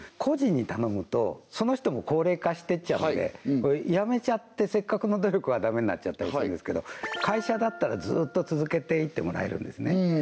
個人に頼むとその人も高齢化していっちゃうのでやめちゃってせっかくの努力がダメになっちゃったりするんですけど会社だったらずーっと続けていってもらえるんですね